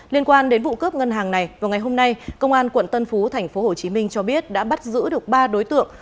liên quan đến vụ cướp ngân hàng này vào ngày hôm nay công an quận tân phú thành phố hồ chí minh cho biết đã bắt giữ được ba đối tượng